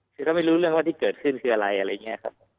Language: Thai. คือก็ไม่รู้เรื่องว่าที่เกิดขึ้นคืออะไรอะไรอย่างนี้ครับ